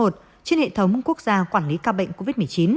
trên hệ thống quốc gia quản lý ca bệnh covid một mươi chín